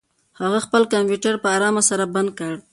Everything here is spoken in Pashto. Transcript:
هغه خپل کمپیوټر په ارامه سره بند کړ.